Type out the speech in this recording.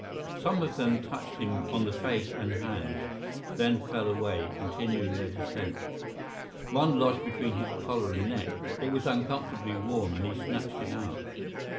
Some of them touched him on the face and hands, then fell away, continuing their descent. One lodged between his collar and neck; it was uncomfortably warm and he snatched it out.